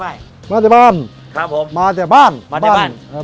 เดินทางมาได้ใส่นะครับบ้ายมาแต่บ้านครับผมมาแต่บ้านมาแต่บ้าน